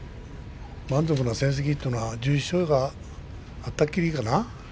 満足な成績というのは１１勝があったきりかな。